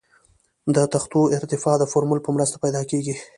د تختو ارتفاع د فورمول په مرسته پیدا کیږي